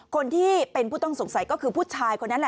คนที่เป็นผู้ต้องสงสัยก็คือผู้ชายคนนั้นแหละ